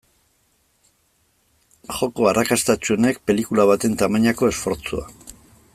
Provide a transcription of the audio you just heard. Joko arrakastatsuenek pelikula baten tamainako esfortzua.